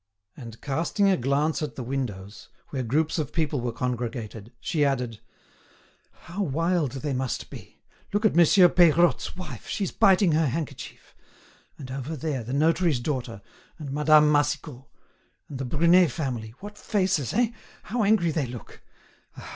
And casting a glance at the windows, where groups of people were congregated, she added: "How wild they must be! Look at Monsieur Peirotte's wife, she's biting her handkerchief. And over there, the notary's daughter, and Madame Massicot, and the Brunet family, what faces, eh? how angry they look!